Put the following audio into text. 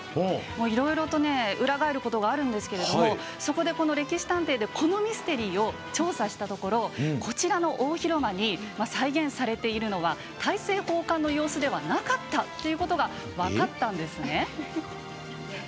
いろいろと裏返ることがあるんですがそこで「歴史探偵」でこのミステリーを調査したところこちらの大広間に再現されているのは大政奉還の様子ではなかったということが分かったんですね。